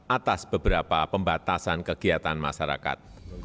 atas beberapa pembatasan kegiatan masyarakat